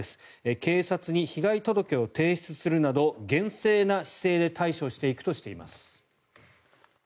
警察に被害届を提出するなど厳正な姿勢で対処していくとしています。